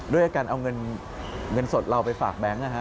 ด้วยการเอาเงินสดเราไปฝากแบงค์